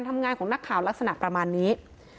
ทำงานของนักข่าวลักษณะประมาณนี้